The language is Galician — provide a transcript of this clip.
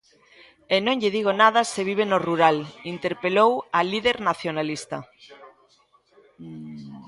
E non lle digo nada se vive no rural, interpelou a líder nacionalista.